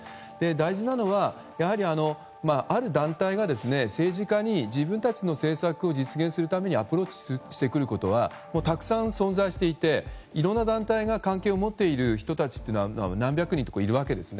大事なのはやはり、ある団体が政治家に自分たちの政策を実現するためにアプローチしてくることはたくさん存在していていろんな団体が関係を持っている人たちは何百人といるわけです。